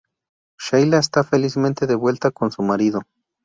Sheila está felizmente de vuelta con su marido.